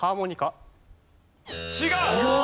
違う！